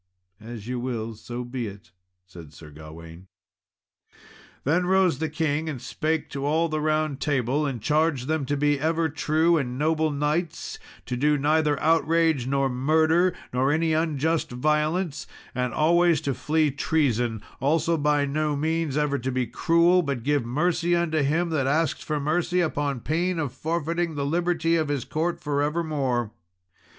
"As ye will, be it," said Sir Gawain. Then rose the king and spake to all the Table Round, and charged them to be ever true and noble knights, to do neither outrage nor murder, nor any unjust violence, and always to flee treason; also by no means ever to be cruel, but give mercy unto him that asked for mercy, upon pain of forfeiting the liberty of his court for evermore.